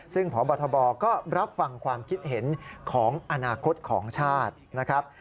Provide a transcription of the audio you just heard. ซึ่งพบทบก็รับฟังความคิดเห็นของอนาคตของชาตินะครับ